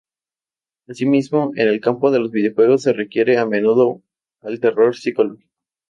Asimismo, en el campo de los videojuegos se recurre a menudo al terror psicológico.